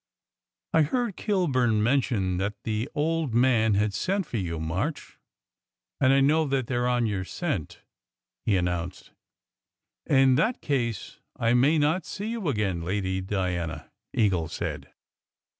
" I heard Kilburn mention that the Old Man had sent for you, March, and I know they re on your scent," he an nounced. "In that case, I may not see you again, Lady Diana," Eagle said.